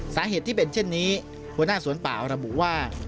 สาเหตุที่เป็นเช่นนี้หัวหน้าสวนป่าระบุว่า